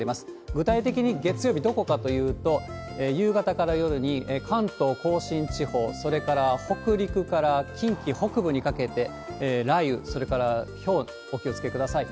具体的に月曜日、どこかというと、夕方から夜に、関東甲信地方、それから北陸から近畿北部にかけて、雷雨、それからひょう、お気をつけください。